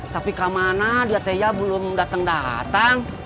tapi kamana dia teya belum dateng dateng